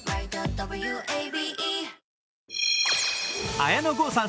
綾野剛さん